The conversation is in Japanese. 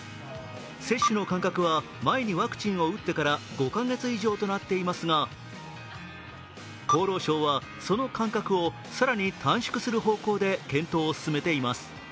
接種の間隔は、前にワクチンを打ってから５か月以上となっていますが、厚労省はその間隔を更に短縮する方向で検討を進めています。